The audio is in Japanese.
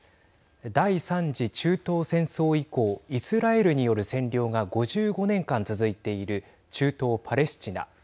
第３次中東戦争以降イスラエルによる占領が５５年間続いている中東パレスチナ。